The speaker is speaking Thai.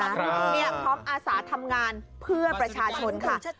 พร้อมอาสาทำงานเพื่อประชาชนค่ะ